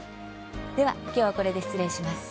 では、きょうはこれで失礼します。